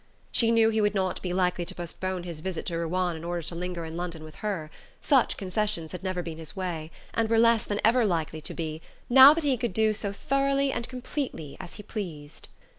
She knew he would not be likely to postpone his visit to Ruan in order to linger in London with her: such concessions had never been his way, and were less than ever likely to be, now that he could do so thoroughly and completely as he pleased.